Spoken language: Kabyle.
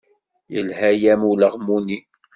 Yelha-yam ulaɣmu-nni.